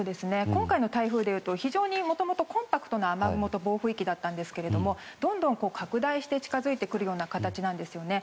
今回の台風でいうともともとコンパクトな雨雲と暴風域でしたがどんどん拡大して近づいてくる形なんですね。